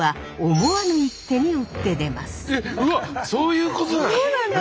うわっそういうことなんだ。